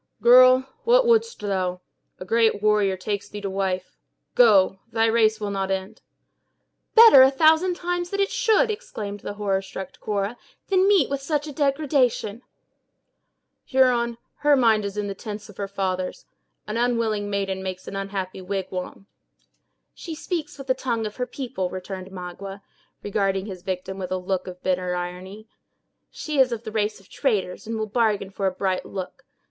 "Girl, what wouldst thou? A great warrior takes thee to wife. Go! thy race will not end." "Better, a thousand times, it should," exclaimed the horror struck Cora, "than meet with such a degradation!" "Huron, her mind is in the tents of her fathers. An unwilling maiden makes an unhappy wigwam." "She speaks with the tongue of her people," returned Magua, regarding his victim with a look of bitter irony. "She is of a race of traders, and will bargain for a bright look.